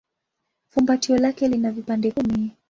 Fumbatio lake lina vipande kumi.